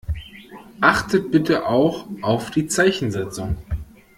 Achtet bitte auch auf die Zeichensetzung.